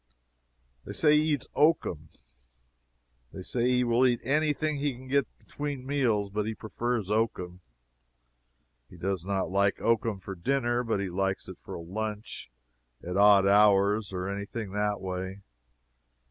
And they say he eats oakum. They say he will eat any thing he can get between meals, but he prefers oakum. He does not like oakum for dinner, but he likes it for a lunch, at odd hours, or any thing that way.